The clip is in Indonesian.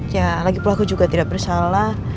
ya lagipula aku juga tidak bersalah